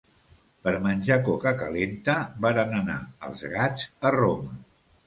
Per menjar coca calenta varen anar els gats a Roma.